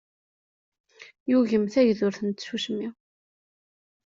Yugem tagdurt n tsusmi.